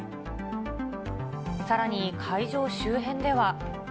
さらに、会場周辺では。